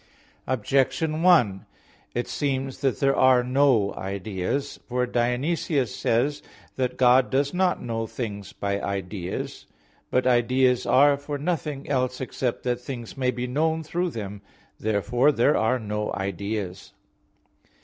Objection 1: It seems that there are no ideas. For Dionysius says (Div. Nom. vii), that God does not know things by ideas. But ideas are for nothing else except that things may be known through them. Therefore there are no ideas.